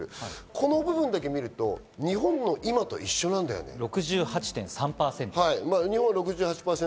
この部分だけ見ると、日本の今と一緒なんだよね。６８．３％。